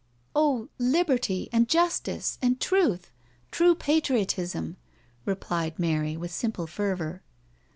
" Oh, liberty and justice and truth— true patriotism," replied Mary, with simple fervour.